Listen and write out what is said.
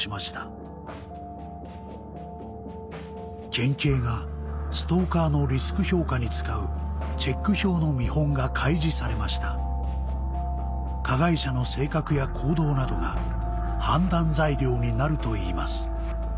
県警がストーカーのリスク評価に使うチェック票の見本が開示されました加害者の性格や行動などが判断材料になるといいます